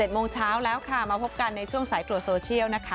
โมงเช้าแล้วค่ะมาพบกันในช่วงสายตรวจโซเชียลนะคะ